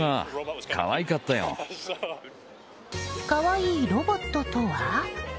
可愛いロボットとは？